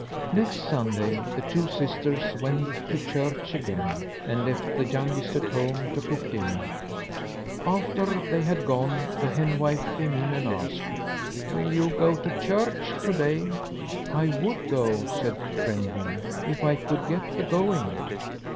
Next Sunday the two sisters went to church again, and left the youngest at home to cook the dinner. After they had gone, the henwife came in and asked: "Will you go to church to day?" "I would go," said Trembling, "if I could get the going."